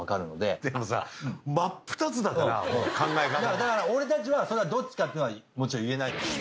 だから俺たちはどっちかってのはもちろん言えない。